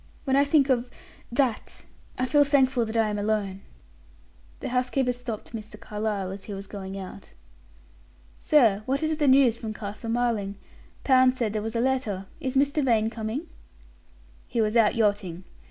When I think of that I feel thankful that I am alone." The housekeeper stopped Mr. Carlyle as he was going out. "Sir, what is the news from Castle Marling? Pound said there was a letter. Is Mr. Vane coming?" "He was out yachting.